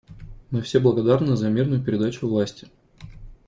Мы все благодарны за мирную передачу власти.